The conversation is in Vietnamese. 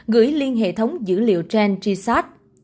gửi liên hệ thống dữ liệu gen t sat